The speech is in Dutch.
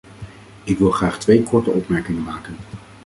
Ik wil graag twee korte opmerkingen maken.